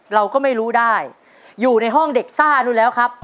เราก็ไม่รู้ได้อยู่ในห้องเด็กซ่านู้นแล้วครับ